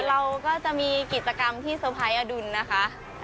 เราก็จะมีกิจกรรมที่เซอร์ไพรส์อดุลนะคะ